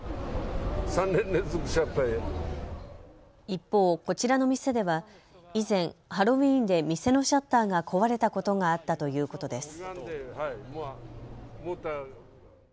一方、こちらの店では以前、ハロウィーンで店のシャッターが壊れたことがあったということです。